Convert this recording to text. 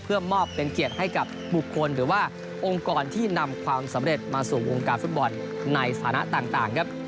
เพื่อมอบเป็นเกียรติให้กับบุคคลหรือว่าองค์กรที่นำความสำเร็จมาสู่วงการฟุตบอลในสถานะต่างครับ